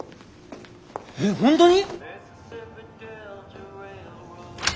えっ本当に？